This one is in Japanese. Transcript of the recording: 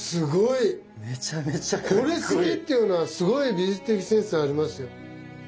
これ好きっていうのはすごい美術的センスありますよ。